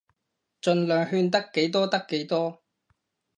儘量勸得幾多得幾多